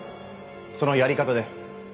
そのやり方で。